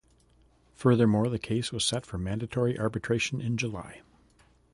Furthermore, the case was set for mandatory arbitration in July.